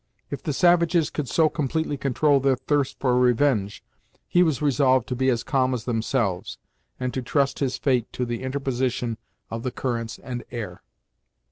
If the savages could so completely control their thirst for revenge, he was resolved to be as calm as themselves, and to trust his fate to the interposition of the currents and air.